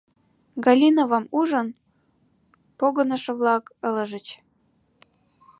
Галиновам ужын, погынышо-влак ылыжыч.